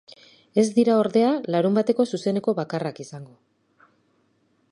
Ez dira, ordea, larunbateko zuzeneko bakarrak izango.